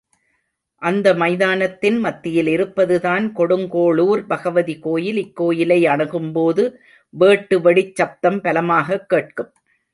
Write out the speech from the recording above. அந்த மைதானத்தின் மத்தியில் இருப்பதுதான் கொடுங்கோளூர் பகவதி கோயில் இக்கோயிலை அணுகும்போது வேட்டு வெடிச் சப்தம் பலமாகக் கேட்கும்.